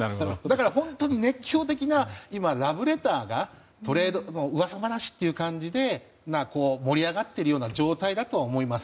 本当に熱狂的なラブレターがトレードの噂話という感じで盛り上がっているような状態だと思います。